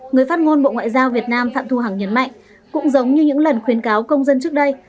người phát ngôn bộ ngoại giao việt nam phạm thu hằng nhấn mạnh cũng giống như những lần khuyến cáo công dân trước đây